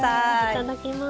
いただきます。